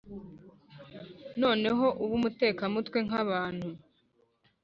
noneho ube umutekamutwe nkabantu!